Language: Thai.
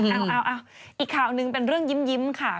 เอาอีกข่าวหนึ่งเป็นเรื่องยิ้มค่ะ